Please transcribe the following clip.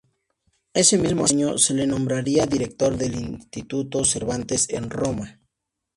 Ese mismo año se le nombraría director del Instituto Cervantes en Roma.